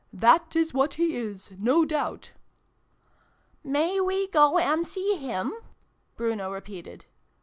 " That is what he is, no doubt !"" May we go and see him ?" Bruno repeated.